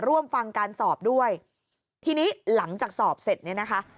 ร่วมฟังการสอบด้วยทีนี้หลังจากสอบเสร็จเนี่ยนะคะ